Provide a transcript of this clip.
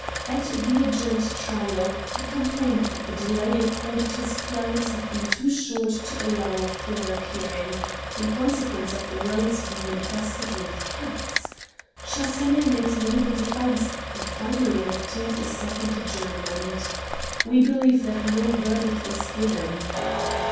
At the adjourned trial, he complained that the delay accorded his clients had been too short to allow of their appearing, in consequence of the roads being infested with cats. Chasseneux made an able defence, and finally obtained a second adjournment. We believe that no verdict was given.